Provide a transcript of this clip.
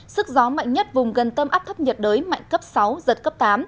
sức gió mạnh nhất vùng gần tâm áp thấp nhiệt đới mạnh cấp sáu giật cấp tám